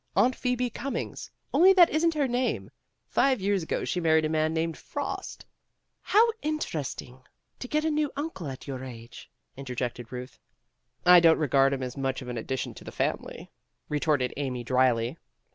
"Aunt Phoebe Cummings, only that isn't her name. Five years ago she married a man named Frost." '* How interesting to get a new uncle at your age," interjected Euth. A TRIUMPH OF ART 41 "I don't regard him as much of an addi tion to the family," retorted Amy drily.